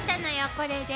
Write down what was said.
これで。